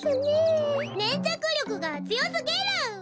ねんちゃくりょくがつよすぎる。